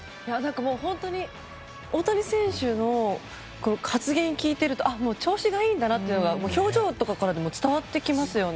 本当に大谷選手の発言を聞いてると調子がいいんだなというのが表情とかからでも伝わってきますよね。